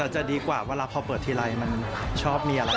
จะดีกว่าเวลาพอเปิดทีไรมันชอบมีอะไร